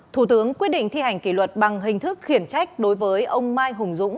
thủ tướng quyết định thi hành kỷ luật bằng hình thức khiển trách đối với ông mai hùng dũng